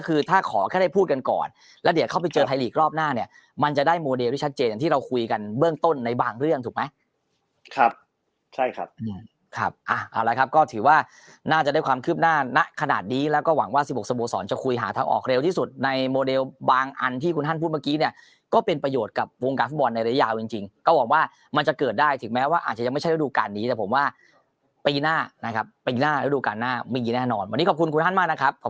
เอาละครับก็ถือว่าน่าจะได้ความคืบหน้าขนาดนี้แล้วก็หวังว่า๑๖สโมสรจะคุยหาทางออกเร็วที่สุดในโมเดลบางอันที่คุณฮั่นพูดเมื่อกี้เนี่ยก็เป็นประโยชน์กับวงการฟุตบอลในระยะยาวจริงก็หวังว่ามันจะเกิดได้ถึงแม้ว่าอาจจะยังไม่ใช่ฤดูการนี้แต่ผมว่าปีหน้านะครับปีหน้าฤดูการหน้ามีแน่